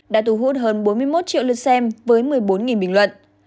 đã thu hút hơn bốn mươi một triệu lượt xem với một mươi bốn bình luận